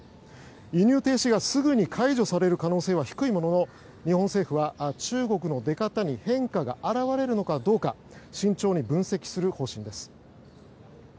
輸入停止がすぐに解除される可能性は低いものの日本政府は中国の出方に変化が現れるのかどうか慎重に分析する方針です。